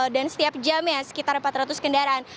dan setiap jamnya sekitar empat ratus kendaraan